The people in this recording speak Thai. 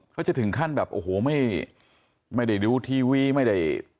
เขาจะถึงขั้นแบบโอ้โหไม่ได้ดูทีวีไม่ได้